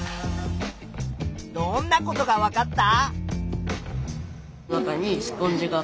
どんなことがわかった？